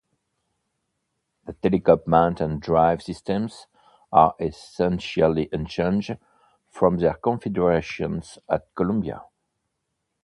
The telescope mount and drive systems are essentially unchanged from their configurations at Columbia.